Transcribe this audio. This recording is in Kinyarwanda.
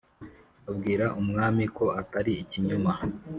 Babwira umwami ko atari ikinyoma